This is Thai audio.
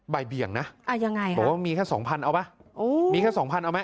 ใบเบี่ยงนะบอกว่ามีแค่๒๐๐๐เอาไหมมีแค่๒๐๐๐เอาไหม